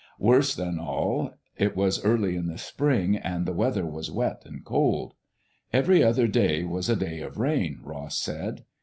Worse than all, it was early in the spring and the weather was wet and cold. "Every other day was a day of rain," Ross said.